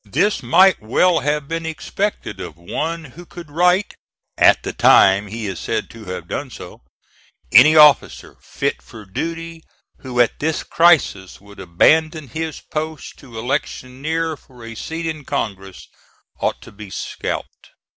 This might well have been expected of one who could write at the time he is said to have done so: "Any officer fit for duty who at this crisis would abandon his post to electioneer for a seat in Congress, ought to be scalped."